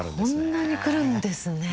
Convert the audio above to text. こんなに来るんですね。